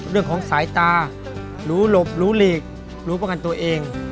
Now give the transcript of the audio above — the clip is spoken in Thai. เรื่องของสายตารู้หลบรู้หลีกรู้ป้องกันตัวเอง